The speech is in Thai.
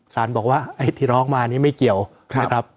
บอกว่าไอ้ที่ร้องมานี่ไม่เกี่ยวนะครับ